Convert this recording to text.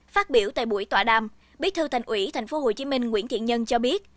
phát biểu tại buổi tọa đàm biết thư thành ủy tp hcm nguyễn thiện nhân cho biết